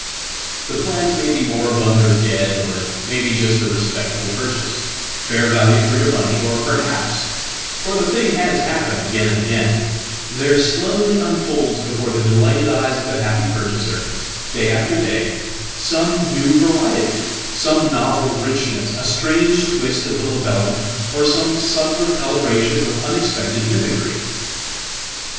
The plant may be moribund or dead, or it may be just arespectable purchase, fair value for your money, or perhaps for the thinghas happened again and again there slowly unfolds before the delightedeyes of the happy purchaser, day after day, some new variety, some novelrichness, a strange twist of the labellum, or some subtler colouration orunexpected mimicry.